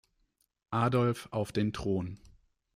Adolf auf den Thron.